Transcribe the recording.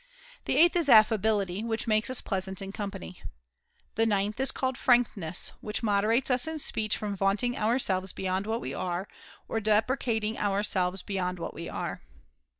The eighth is affability, which makes us pleasant in company. The ninth is called frankness, which moderates us in speech from vaunting ourselves beyond what we are, or depreciating ourselves beyond what we are.